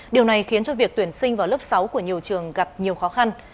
điều này khiến cho việc tuyển sinh vào lớp sáu của nhiều trường gặp nhiều khó khăn